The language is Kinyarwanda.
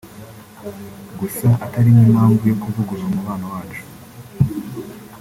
gusa atari nk’impamvu yo kuvugurura umubano wacu